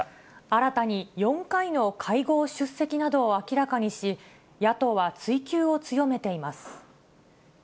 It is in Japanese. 新たに４回の会合出席などを明らかにし、野党は追及を強めています。